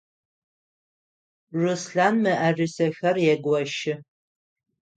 Руслъан мыӏэрысэхэр егощы.